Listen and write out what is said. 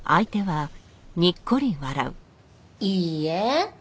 いいえ。